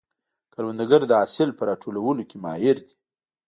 کروندګر د حاصل په راټولولو کې ماهر دی